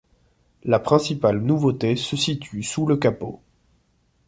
La principale nouveauté se situe sous le capot.